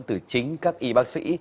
từ chính các y bác sĩ